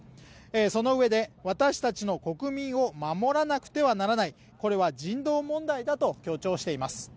そのうえで、私たちの国民を守らなくてはならない、これは人道問題だと強調しています。